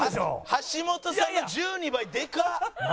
橋本さんの１２倍でかっ！